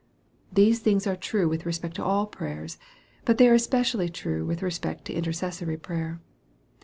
These things are true with respect to all prayers, but they are especially true with respect to intercessory prayer.